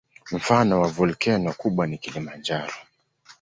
Mfano wa volkeno kubwa ni Kilimanjaro.